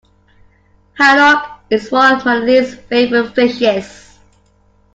Haddock is one of my least favourite fishes